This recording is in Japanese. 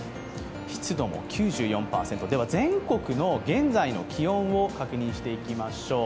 湿度も９４％全国の現在の気温を確認していきましょう。